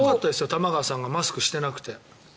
玉川さんがマスクをしていなくて。